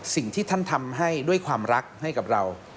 สิ่งที่ท่านทำให้ด้วยความรักให้กับเรา